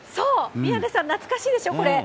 宮根さん、懐かしいでしょ、これ。